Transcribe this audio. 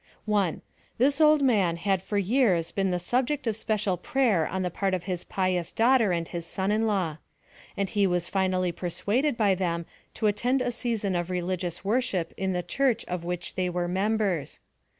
1. This old man had for years been tiie subject of special prayer on the part of his pious daughter and his son in law ; and he was finally i^ersuaded by them to attend a season of religious worship in the church of which they were members.